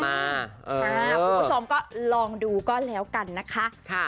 คุณผู้ชมก็ลองดูก็แล้วกันนะคะ